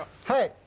はい。